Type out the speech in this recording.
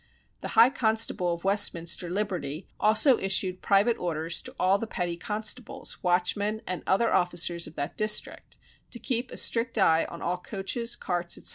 The high constable of Westminster liberty also issued private orders to all the petty constables, watchmen, and other officers of that district, to keep a strict eye on all coaches, carts, etc.